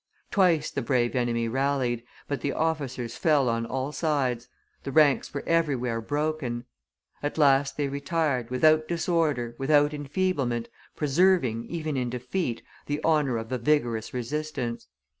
Twice the brave enemy rallied, but the officers fell on all sides, the ranks were everywhere broken; at last they retired, without disorder, without enfeeblement, preserving, even in defeat, the honor of a vigorous resistance.